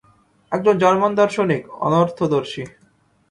একজন জার্মান দার্শনিক, অনর্থদর্শী।